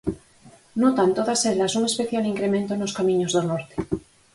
Notan todas elas un especial incremento nos camiños do norte.